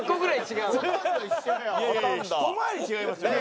ひと回り違いますよね？